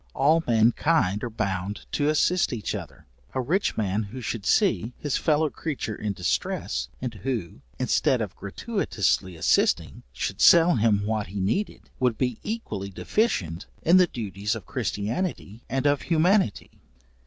All mankind are bound to assist each other; a rich man who should see, his fellow creature in distress, and who, instead of gratuitously assisting, should sell him what he needed, would be equally deficient in the duties of christianity and of humanity.